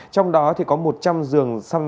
trong đó có một trăm linh dường xăm xăm